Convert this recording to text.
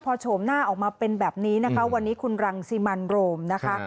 พอโฉมหน้าออกมาเป็นแบบนี้นะคะวันนี้คุณรังสิมันโรมนะคะ